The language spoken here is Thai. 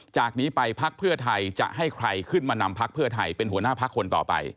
จากนี้ไปพักเพื่อไทยจะให้ใครขึ้นมานำพักเพื่อไทยเป็นหัวหน้าพักคนต่อไป